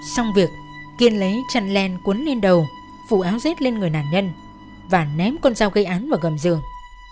xong việc kiên lấy chăn len cuốn lên đầu phụ áo set lên người nạn nhân và ném con dao gây án vào gầm giường